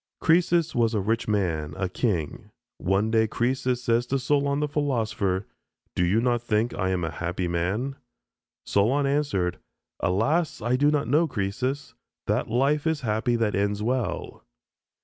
Croesus was a rich man, a king. One day Croesus said to Solon, the philosopher, "Do you not think I am a happy man?" Solon answered, "Alas, I do not know, Croesus; that life is happy that ends well."